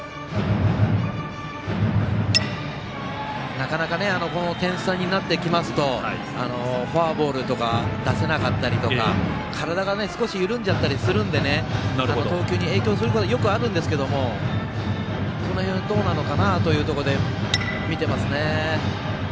なかなかこの点差になってきますとフォアボールとか出せなかったりとか体が少し緩んじゃったりするんで投球に影響することよくあるんですけどその辺どうなのかなというところで見てますね。